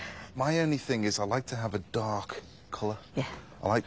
はい。